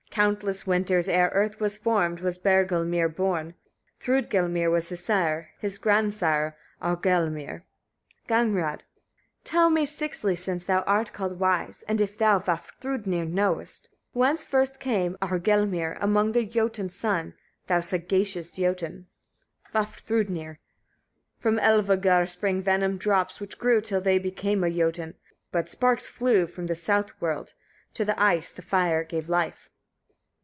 _ 29. Countless winters, ere earth was formed, was Bergelmir born; Thrûdgelmir was his sire, his grandsire Aurgelmir. Gagnrâd. 30. Tell me sixthly, since thou art called wise, and if thou, Vafthrûdnir! knowest, whence first came Aurgelmir, among the Jötun's sons, thou sagacious Jötun? Vafthrûdnir. 31. From Elivâgar sprang venom drops, which grew till they became a Jötun; but sparks flew from the south world: to the ice the fire gave life.